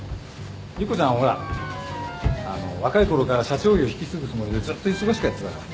莉湖ちゃんはほらあの若いころから社長業引き継ぐつもりでずっと忙しくやってたから。